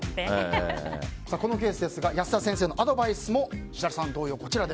このケースですが安田先生のアドバイスも。